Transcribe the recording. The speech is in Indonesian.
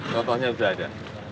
contohnya sudah ada